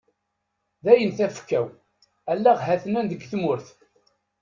Dayen tafekka-w, allaɣ hatnan deg tmurt.